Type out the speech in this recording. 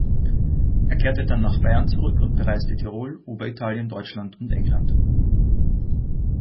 Er kehrte dann nach Bayern zurück und bereiste Tirol, Oberitalien, Deutschland und England.